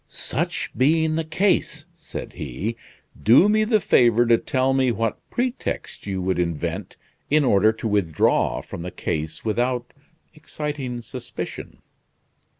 "Such being the case," said he, "do me the favor to tell me what pretext you would invent in order to withdraw from the case without exciting suspicion?"